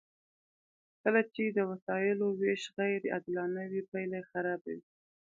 کله چې د وسایلو ویش غیر عادلانه وي پایله خرابه وي.